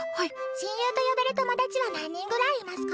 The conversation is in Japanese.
親友と呼べるぐらいの友達は何人ぐらいいますか？